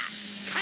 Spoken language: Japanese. か